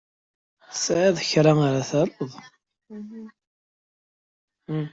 Tesɛiḍ kra ara taruḍ?